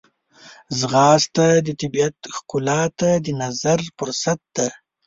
ځغاسته د طبیعت ښکلا ته د نظر فرصت دی